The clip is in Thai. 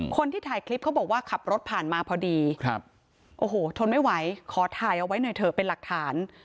คนที่ถ่ายคลิปเขาบอกว่าขับรถผ่านมาพอดีครับโอ้โหทนไม่ไหวขอถ่ายเอาไว้หน่อยเถอะเป็นหลักฐาน